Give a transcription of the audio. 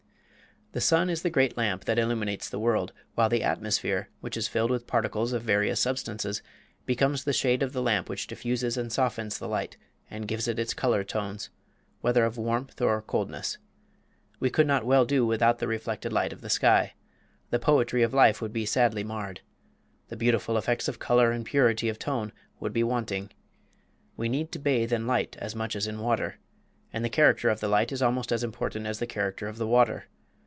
The sun is the great lamp that illuminates the world, while the atmosphere, which is filled with particles of various substances, becomes the shade of the lamp which diffuses and softens the light and gives it its color tones, whether of warmth or coldness. We could not well do without the reflected light of the sky. The poetry of life would be sadly marred. The beautiful effects of color and purity of tone would be wanting. We need to bathe in light as much as in water, and the character of the light is almost as important as the character of the water.